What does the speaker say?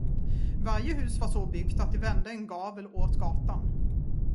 Varje hus var så byggt, att det vände en gavel åt gatan.